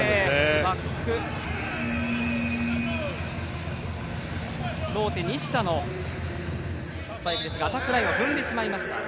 バックローテ西田のスパイクですがアタックラインを踏んでしまいました。